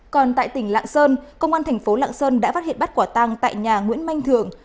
còn tại tỉnh lạng sơn công an thành phố lạng sơn đã phát hiện bắt quả tăng tại nhà nguyễn mạnh thường